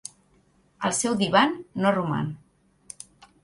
El seu "Divan" no roman.